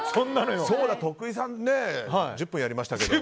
そうだ、徳井さんね１０分やりましたけど。